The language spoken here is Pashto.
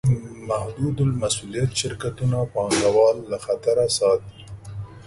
محدودالمسوولیت شرکتونه پانګهوال له خطره ساتي.